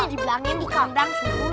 ini dibilangin di kamar